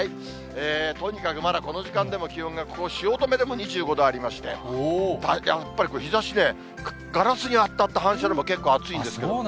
とにかくまだ、この時間でも、気温がこの汐留でも２５度ありまして、やっぱり日ざしね、ガラスに当たって反射でも結構暑いんですけど。